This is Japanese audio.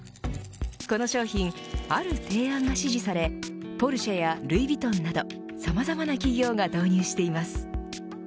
この商品、ある提案が支持されポルシェやＬＯＵＩＳＶＵＩＴＴＯＮなどさまざまな企業が導入しています。